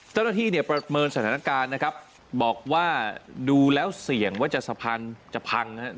เจ้าหน้าที่เนี่ยประเมินสถานการณ์นะครับบอกว่าดูแล้วเสี่ยงว่าจะสะพานจะพังนะครับ